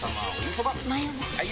・はい！